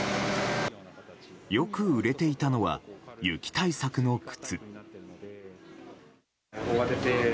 よく売れていたのは雪対策の靴。